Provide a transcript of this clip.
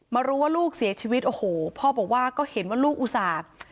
มารู้ว่าลูกเสียชีวิตพ่อบอกว่าก็เห็นว่าลูกอุศาจ